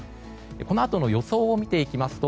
このあとの予想を見ていきますと